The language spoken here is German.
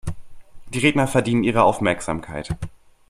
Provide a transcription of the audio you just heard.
Die Redner verdienen Ihre Aufmerksamkeit.